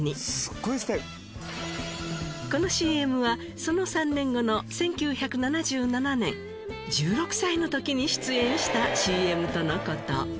このＣＭはその３年後の１９７７年１６歳の時に出演したＣＭとの事。